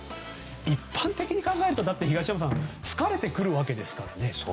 一般的に考えると東山さん疲れてくるわけですからね。